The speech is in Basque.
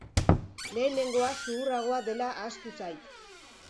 Lehenengoa zuhurragoa dela ahaztu zait.